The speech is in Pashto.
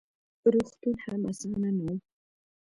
روغتون هم اسان نه و: